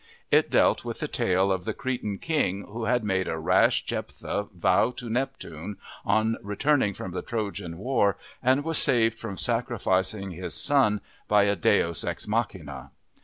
It dealt with the tale of the Cretan king who had made a rash Jephtha vow to Neptune on returning from the Trojan war and was saved from sacrificing his son only by a deus ex machina.